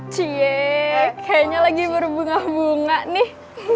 cie kayaknya lagi berbunga bunga nih